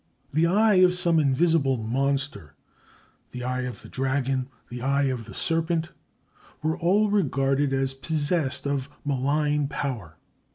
The eye of some invisible monster, the eye of the dragon, the eye of the serpent, were all regarded as possessed of malign power.